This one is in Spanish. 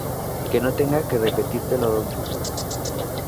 Que no tenga que repetírtelo dos veces